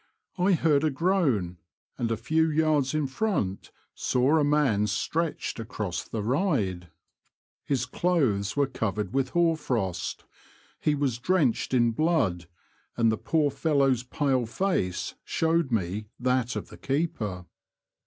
I heard a groan, and a few yards in front saw a man stretched across the ride. His clothes were 148 T^he Confessions of a T^oacher, covered with hoar frost, he was drenched in blood, and the poor fellow's pale face showed me that of the keeper.